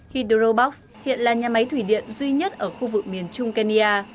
hydrobox hiện là nhà máy thủy điện duy nhất ở khu vực miền trung kenya